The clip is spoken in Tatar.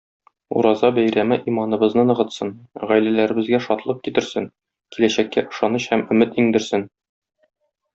Ураза бәйрәме иманыбызны ныгытсын, гаиләләребезгә шатлык китерсен, киләчәккә ышаныч һәм өмет иңдерсен!